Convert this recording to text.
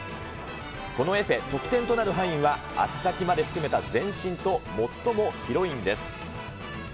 このエペ、得点となる範囲は足先まで含めた全身と、最も広いんです。